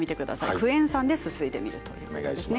クエン酸ですすいでみるということですね。